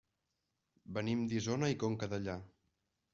Venim d'Isona i Conca Dellà.